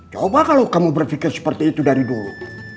coba kalau kamu berpikir seperti itu dari dulu